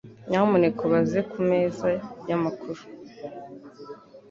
Nyamuneka ubaze kumeza yamakuru.